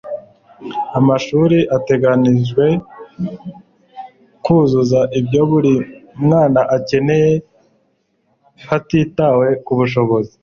amashuri ateganijwe kuzuza ibyo buri mwana akeneye, hatitawe kubushobozi